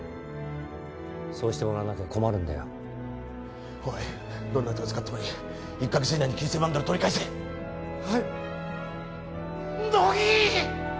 そうしてもらわなきゃ困るんだよおいどんな手を使ってもいい１か月以内に９千万ドル取り返せはい乃木！